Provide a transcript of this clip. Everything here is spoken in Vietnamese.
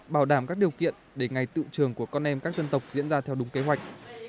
bảo đảm các điều kiện để ngày tự trường của con em các dân tộc diễn ra theo đúng kế hoạch